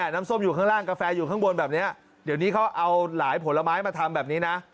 น้ำส้มอยู่ข้างล่างกาแฟอยู่ข้างบนแบบนี้เดี๋ยวนี้เขาเอาหลายผลไม้มาทำแบบนี้นะ